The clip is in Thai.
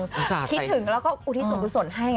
คิดถึงแล้วก็อุติสนให้